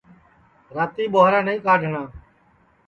راتی ٻُہارا نائیں کڈؔھٹؔاں